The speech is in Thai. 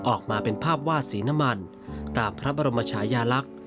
ออกมาเป็นภาพวาดสีน้ำมันตามพระบรมชายาลักษณ์